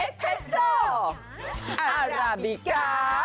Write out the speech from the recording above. เอ็กเฟสเซอร์อาราบิกา